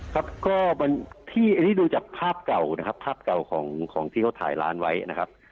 ครับก็ที่อันนี้ดูจากภาพเก่านะครับภาพเก่าของที่เขาถ่ายร้านไว้นะครับ